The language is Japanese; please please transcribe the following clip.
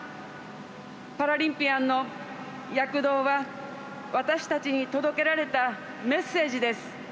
パラリンピアンの躍動は私たちに届けられたメッセージです。